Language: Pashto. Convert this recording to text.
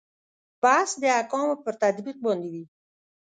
بحث د احکامو پر تطبیق باندې وي.